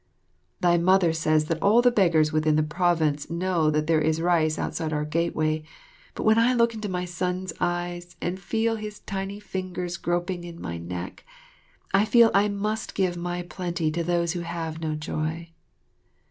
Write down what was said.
Thy mother says that all the beggers within the province know there is rice outside our gateway; but when I look into my son's eyes, and feel his tiny fingers groping in my neck, I feel I must give of my plenty to those who have no joy.